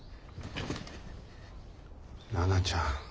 奈々ちゃん。